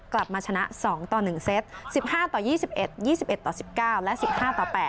กลับมาชนะ๒ต่อ๑เซต๑๕ต่อ๒๑๒๑ต่อ๑๙และ๑๕ต่อ๘